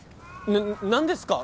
な何ですか？